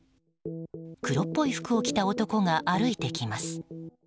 黒っぽい服を着た男が歩いてきます。